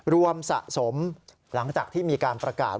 รวมสะสมหลังจากที่มีการประกาศ